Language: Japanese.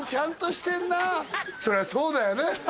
そりゃそうだよね